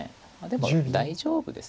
でも大丈夫です。